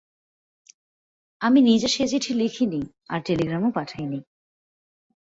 আমি নিজে সে চিঠি লিখিনি, আর টেলিগ্রামও পাঠাইনি।